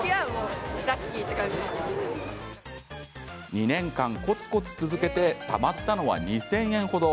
２年間コツコツ続けてたまったのは２０００円程。